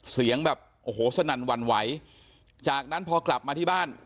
เสียงแบบโอ้โหสนั่นหวั่นไหวจากนั้นพอกลับมาที่บ้าน